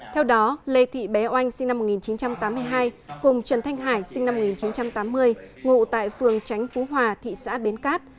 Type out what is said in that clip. theo đó lê thị bé oanh sinh năm một nghìn chín trăm tám mươi hai cùng trần thanh hải sinh năm một nghìn chín trăm tám mươi ngụ tại phường tránh phú hòa thị xã bến cát